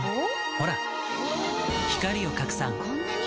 ほら光を拡散こんなに！